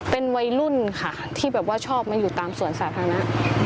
เป็นวัยรุ่นค่ะที่แบบว่าชอบมาอยู่ตามสวนสาธารณะ